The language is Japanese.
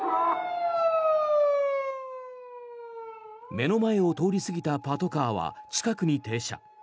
目の前を通り過ぎたパトカーは近くに停車。